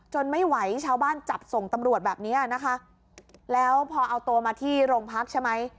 ไม่ไหวชาวบ้านจับส่งตำรวจแบบเนี้ยนะคะแล้วพอเอาตัวมาที่โรงพักใช่ไหม